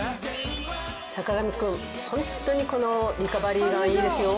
坂上くんホントにこのリカバリーガンいいですよ。